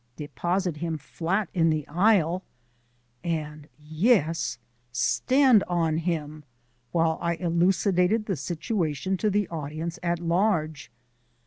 deposit him flat in the aisle, and yes stand on him while I elucidated the situation to the audience at large.